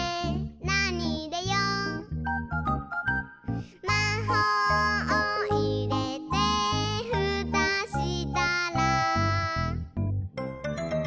「なにいれよう？」「まほうをいれてふたしたら」